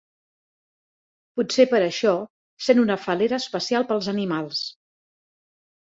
Potser per això sent una fal·lera especial pels animals.